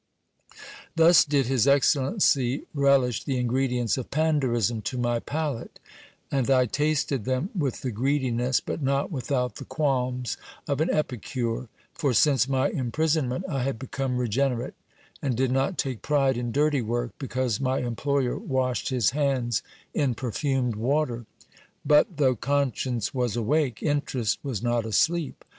Thus did his excellency relish the ingredients of pandarism to my palate ; and I tasted them with the greediness, but not without the qualms of an epicure; for since my imprisonment I had become regenerate, and did not take pride in dirty work, because my employer washed his hands in perfumed water. But though conscience was awake, interest was not asleep.